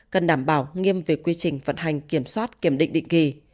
cần đảm bảo nghiêm về quy trình vận hành kiểm soát kiểm định định kỳ